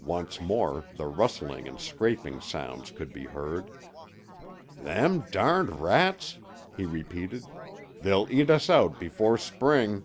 Once more the rustling and scraping sounds could be heard. "Them darned rats," he repeated. "They'll eat us out before spring."